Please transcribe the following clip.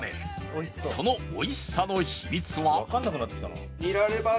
その美味しさの秘密は